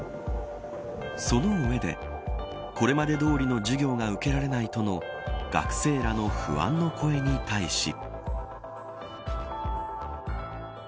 その上で、これまでどおりの授業が受けられないとの学生らの不安の声に対し。